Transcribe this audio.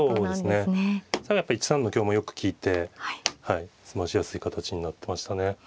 最後はやっぱ１三の香もよく利いて詰ましやすい形になってましたね。